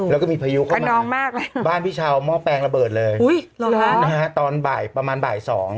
แล้วก็มีพยุค์เข้ามาบ้านพี่เช้ามอบแปลงระเบิดเลยนะฮะตอนประมาณบ่าย๒